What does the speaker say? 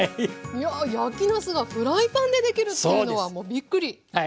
いや焼きなすがフライパンでできるっていうのはもうびっくりしました！